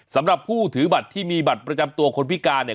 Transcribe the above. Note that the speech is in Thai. สำหรับผู้ถือบัตรที่มีบัตรประจำตัวคนพิการเนี่ย